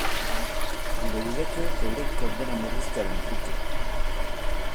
Leudeke euren kondena murriztearen truke.